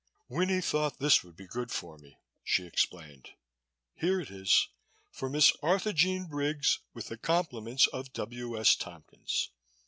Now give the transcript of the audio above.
"Winnie thought this would be good for me," she explained. "Here it is: 'For Miss Arthurjean Briggs, with the compliments of W. S. Tompkins.'